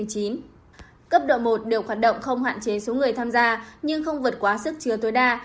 cấp độ một được hoạt động không hoạn chế số người tham gia nhưng không vượt quá sức chừa tối đa